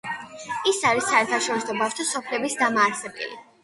ის არის საერთაშორისო ბავშვთა სოფლების დამაარსებელი.